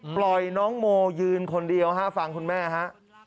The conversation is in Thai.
ปล่อยน้องโมยืนคนเดียวฮะฟังคุณแม่ฮะ